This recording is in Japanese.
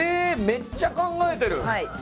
めっちゃ考えてる！